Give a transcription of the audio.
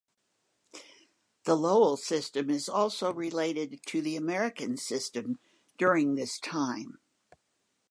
The Lowell system is also related to the American system during this time.